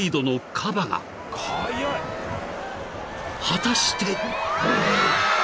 ［果たして］